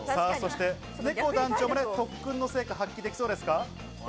ねこ団長も特訓の成果を発揮できそうですか？